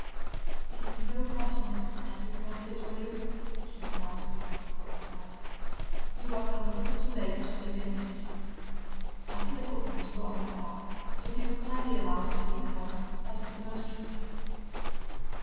"It is of no consequence, thank you, Colonel Fitzwilliam," she replied, speaking with cold pride. "You are come a little too late to be of any assistance. I see the footman has brought my harp, so if you will kindly allow us to leave the house, that is the most you can do."